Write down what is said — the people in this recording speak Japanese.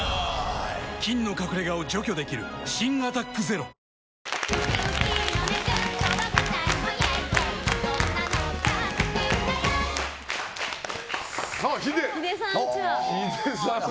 菌の隠れ家を除去できる新「アタックＺＥＲＯ」ああ、秀！